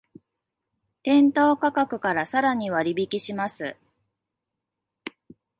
店頭価格からさらに割引します